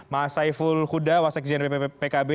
mas saiful huda wasek jenderal pkb